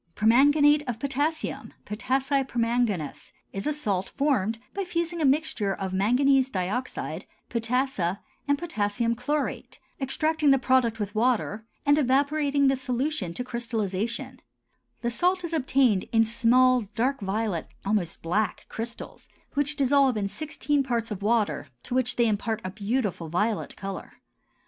PERMANGANATE OF POTASSIUM (POTASSI PERMANGANAS) is a salt formed by fusing a mixture of manganese dioxide, potassa, and potassium chlorate, extracting the product with water, and evaporating the solution to crystallization; the salt is obtained in small dark violet, almost black crystals which dissolve in sixteen parts of water to which they impart a beautiful violet color.